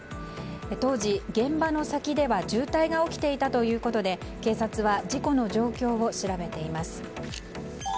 当時、現場の先では渋滞が起きていたということで警察は事故の状況を調べています。